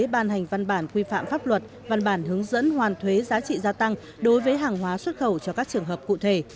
ban hành văn bản quy phạm pháp luật văn bản hướng dẫn hoàn thuế giá trị gia tăng đối với hàng hóa xuất khẩu cho các trường hợp cụ thể